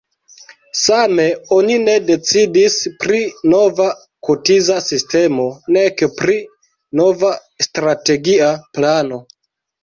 Same oni ne decidis pri nova kotiza sistemo, nek pri nova strategia plano.